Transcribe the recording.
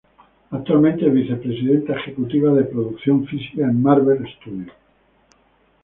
Actualmente es vicepresidenta ejecutiva de producción física en Marvel Studios.